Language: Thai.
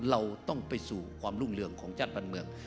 เราต้องไปสู่ความรุ่งเรืองของชาติบ้านเมือง